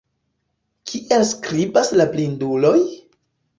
Kiel skribas la blinduloj?